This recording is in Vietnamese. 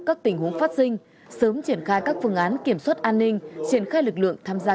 các tình huống phát sinh sớm triển khai các phương án kiểm soát an ninh triển khai lực lượng tham gia